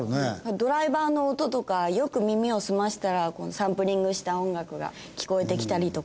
ドライバーの音とかよく耳を澄ましたらサンプリングした音楽が聞こえてきたりとか。